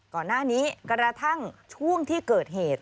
ก่อนหน้านี้กระทั่งช่วงที่เกิดเหตุ